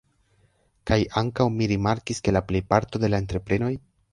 Kaj ankaŭ mi rimarkis ke la plejparto de la entreprenoj